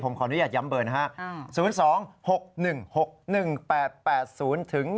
ผมขออนุญาตย้ำเบอร์นะฮะ